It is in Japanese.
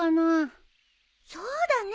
そうだね。